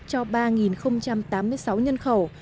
cho ba tám mươi sáu nhân khẩu